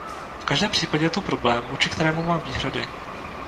V každém případě je tu problém, vůči kterému mám výhrady.